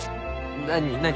何何？